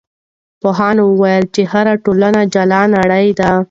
پوهانو وویل چې هره ټولنه جلا نړۍ ده.